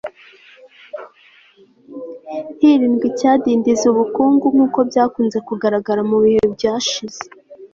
hirindwa icyadindiza ubukungu nk'uko byakunze kugaragara mu bihe byashize